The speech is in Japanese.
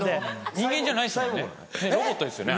人間じゃないですもんね。